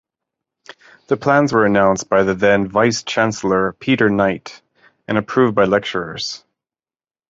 The plans were announced by the then Vice-Chancellor Peter Knight, and approved by lecturers.